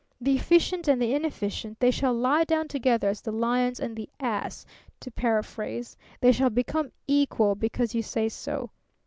The efficient and the inefficient, they shall lie down together as the lion and the ass, to paraphrase. They shall become equal because you say so.